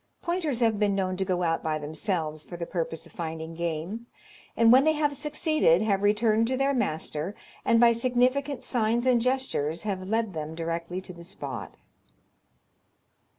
Pointers have been known to go out by themselves for the purpose of finding game, and when they have succeeded, have returned to their master, and by significant signs and gestures have led them directly to the spot.